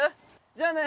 じゃあね。